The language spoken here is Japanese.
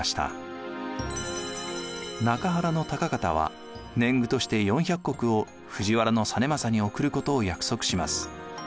高方は年貢として４００石を藤原実政に送ることを約束します。